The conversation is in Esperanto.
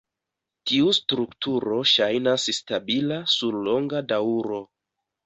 Tiu strukturo ŝajnas stabila sur longa daŭro.